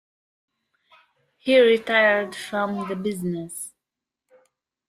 He retired from the business.